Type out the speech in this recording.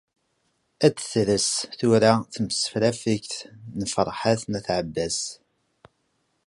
Ad d-tres tura tmesrafegt n Ferḥat n At Ɛebbas.